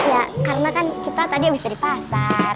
iya karena kan kita tadi abis dari pasar